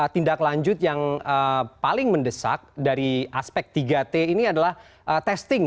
tindak lanjut yang paling mendesak dari aspek tiga t ini adalah testing